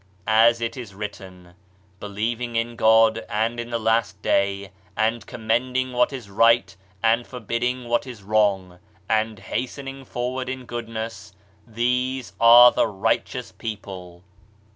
As it is written :— "Believing in God and the Last Day, and com mending what is right and forbidding what is wrong, and hastening forward in goodness; these are the righteous people."